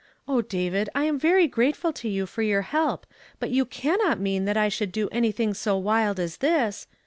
O David, I am very grateful to you for your help, but you cannot mean that I should do any thing so wild as this